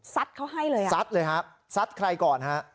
สัดเขาให้เลยสัดเลยฮะสัดใครก่อนฮะ